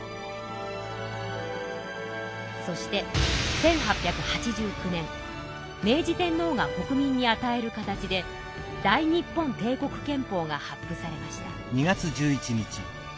そして１８８９年明治天皇が国民にあたえる形で大日本帝国憲法が発布されました。